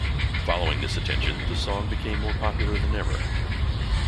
Following this attention, the song became more popular than ever.